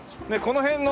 この辺で。